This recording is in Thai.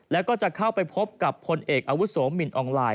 แล้วก็จะเข้าไปพบกับพลเอกอาวุโสมินอองไลน